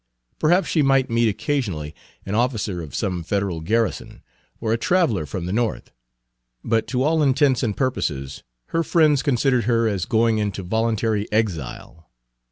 Perhaps she might meet occasionally an officer of some Federal garrison, or a traveler from the North; but to all intents and purposes her friends considered her as going into voluntary exile.